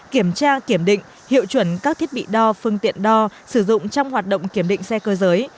kiểm tra kiểm định hiệu chuẩn các thiết bị đo phương tiện đo sử dụng trong hoạt động kiểm định xe cơ giới